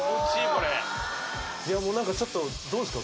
これいやもう何かちょっとどうですか？